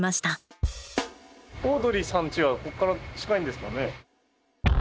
オードリーさんちはここから近いんですかね？